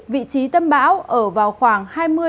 vị trí tâm bão ở vào khoảng